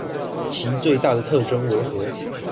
其最大的特徵為何？